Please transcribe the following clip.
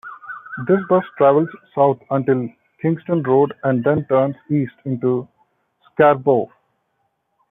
This bus travels south until Kingston Road and then turns east into Scarborough.